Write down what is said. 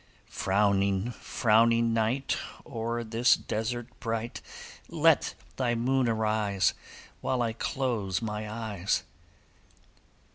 'Frowning, frowning night, O'er this desert bright Let thy moon arise, While I close my eyes.